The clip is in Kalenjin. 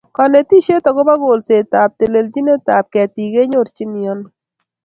Konetisheit agobo kolset ak telelchinetab ketik kenyorchin ano?